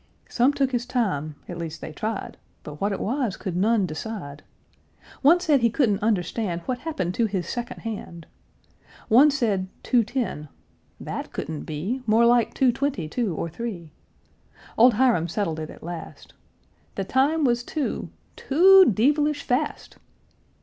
Some took his time, at least they tried, But what it was could none decide; One said he couldn't understand What happened to his second hand; One said 2.10; that couldn't be More like two twenty two or three; Old Hiram settled it at last; "The time was two too dee vel ish fast!"